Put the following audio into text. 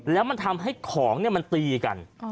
แล้วมันทำให้ของมันตีกัน